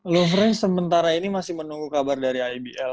lu fresh sementara ini masih menunggu kabar dari ibl